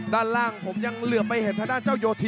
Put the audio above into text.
ด้านล่างยังเหลือไปเห็นท่านอาทิตย์โยธิน